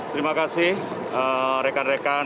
terima kasih rekan rekan media sekalian